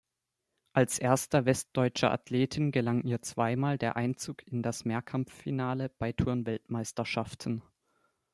Als erster westdeutscher Athletin gelang ihr zweimal der Einzug in das Mehrkampffinale bei Turn-Weltmeisterschaften.